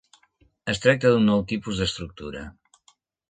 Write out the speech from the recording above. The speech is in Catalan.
Es tracta d'un nou tipus d'estructura.